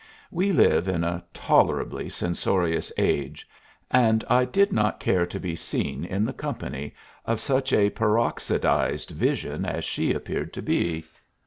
We live in a tolerably censorious age, and I did not care to be seen in the company of such a peroxidized vision as she appeared to be.